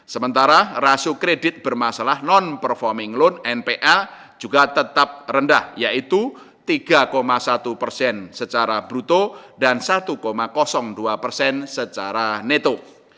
sementara rasio kredit bermasalah non performing loan npl juga tetap rendah yaitu tiga satu persen secara bruto dan satu dua persen secara neto